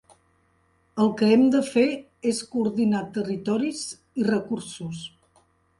El que hem de fer és coordinar territoris i recursos.